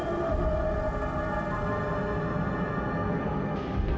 abo bos tapi berches tergantung